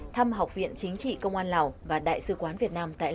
thăm học viện chính trị công an lào và đại sứ quán việt nam tại lào